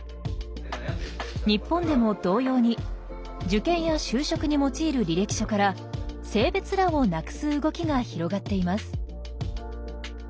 日本でも同様に受験や就職に用いる履歴書から性別欄をなくす動きが広がっています。